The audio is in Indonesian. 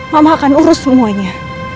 mama akan urus semuanya